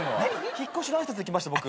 引っ越しの挨拶に来ました僕。